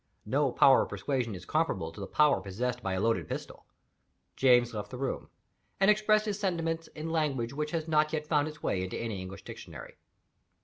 No power of persuasion is comparable to the power possessed by a loaded pistol. James left the room; and expressed his sentiments in language which has not yet found its way into any English Dictionary.